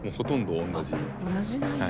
同じなんや。